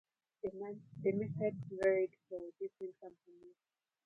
The methods varied for different companies.